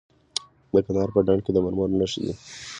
د کندهار په ډنډ کې د مرمرو نښې شته.